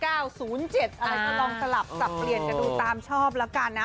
อะไรก็ลองสลับสับเปลี่ยนกันดูตามชอบแล้วกันนะ